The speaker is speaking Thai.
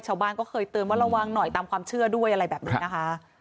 ชาวบ้านก็เคยเตือนว่าระวังหน่อยตามความเชื่อด้วยอะไรแบบนี้นะคะ